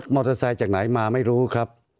เตอร์ไซค์จากไหนมาไม่รู้ครับ